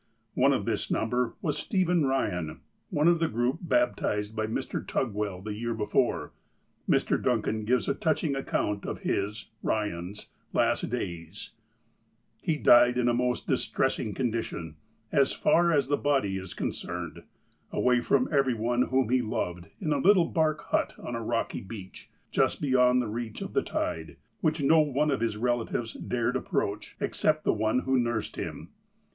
One of this number was Stephen Eyan, one of the group baptized by Mr. Tugwell the year before. Mr. Duncan gives a touching account of his (Eyan's) last days :" He died in a most distressing condition, as far as the body is concerned, away from every one whom he loved, in a little bark hut on a rocky beach, just beyond the reach of the tide, which no one of his relatives dared approach, except the one who nursed him.